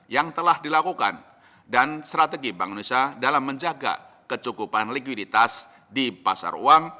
yang telah dilakukan dan strategi bank indonesia dalam menjaga kecukupan likuiditas di pasar uang